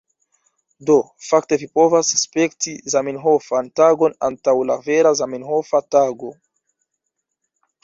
Do, fakte vi povas spekti Zamenhofan Tagon antaŭ la vera Zamenhofa Tago.